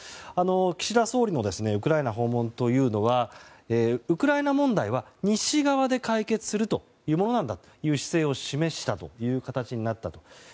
岸田総理のウクライナ訪問はウクライナ問題は西側で解決するというものだという姿勢を示した形になったと。